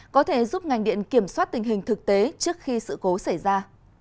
có thể giúp ngành điện kiểm soát tình hình thực tế trước khi sự cố xảy ra